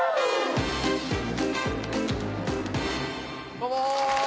どうも。